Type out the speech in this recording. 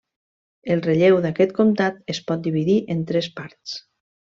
El relleu d'aquest comtat es pot dividir en tres parts.